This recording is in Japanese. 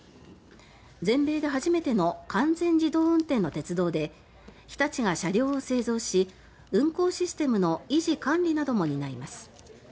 全米で初めての完全自動運転の鉄道で日立が車両を製造し運行システムの維持管理なども担います。